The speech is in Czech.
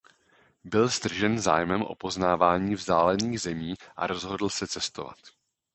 Byl stržen zájmem o poznávání vzdálených zemí a rozhodl se cestovat.